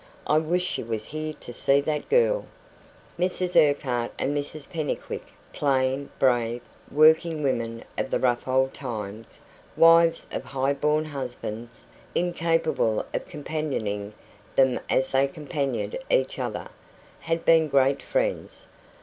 I wish she was here to see that girl." Mrs Urquhart and Mrs Pennycuick, plain, brave, working women of the rough old times, wives of high born husbands, incapable of companioning them as they companioned each other, had been great friends.